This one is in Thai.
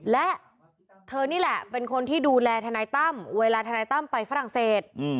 และเธอนี่แหละเป็นคนที่ดูแลทนายตั้มเวลาทนายตั้มไปฝรั่งเศส